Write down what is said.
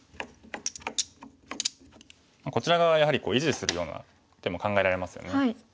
こちら側やはり維持するような手も考えられますよね。